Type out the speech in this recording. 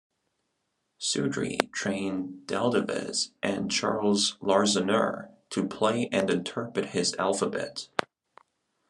Sudre trained Deldevez and Charles Larsonneur to play and interpret his alphabet.